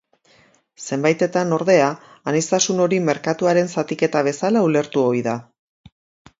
Zenbaitetan, ordea, aniztasun hori merkatuaren zatiketa bezala ulertu ohi da.